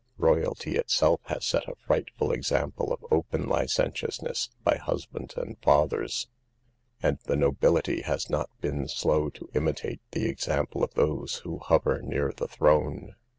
Royalty itself has set a frightful example of open licentiousness by husbands and fathers ; and the nobility has not been slow to imitate the example of those who hover near the throne.